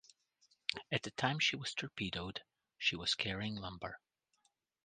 At the time she was torpedoed, she was carrying lumber.